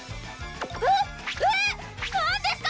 えっ⁉えっ⁉何ですか？